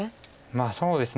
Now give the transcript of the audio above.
まあそうですね。